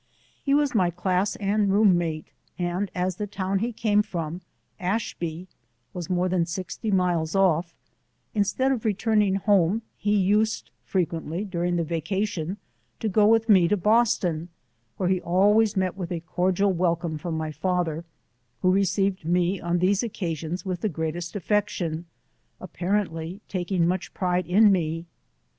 He was my class and room mate, and as the town he came from, Ashby, was more than 60 miles off, instead of returning home, he used frequently during the vacation, to go with me to Boston, where he always met with a cordial [welcome from my father, who received me on these occasions with the greatest affection, apparently taking much pride in me.